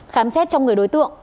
khám xét trong người đối tượng